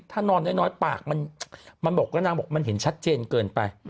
ถ้านอนน้อยปากมันเห็นชัดเจนเกินไป